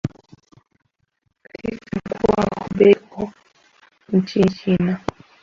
katika Mkoa wa Hubeihuko ncini china